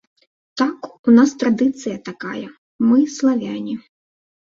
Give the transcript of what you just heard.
Так, у нас традыцыя такая, мы славяне.